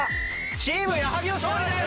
チーム矢作の勝利です！